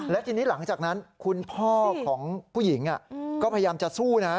และทีนี้หลังจากนั้นคุณพ่อของผู้หญิงก็พยายามจะสู้นะ